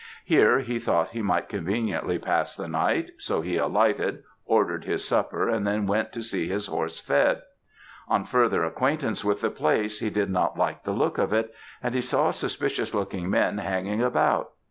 Here he thought he might conveniently pass the night; so he alighted, ordered his supper, and then went to see his horse fed. On further acquaintance with the place, he did not like the look of it, and he saw suspicious looking men hanging about.